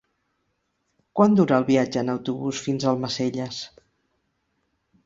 Quant dura el viatge en autobús fins a Almacelles?